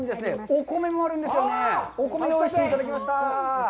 お米用意していただきました。